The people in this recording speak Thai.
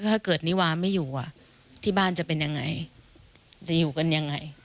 ถ้าเกิดนิวาไม่อยู่ที่บ้านจะเป็นยังไงจะอยู่กันยังไง